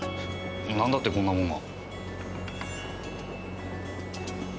なんだってこんなもんが？